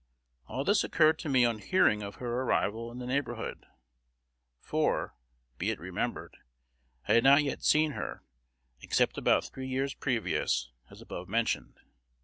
All this occurred to me on hearing of her arrival in the neighborhood; for, be it remembered, I had not yet seen her, except about three years previous, as above mentioned.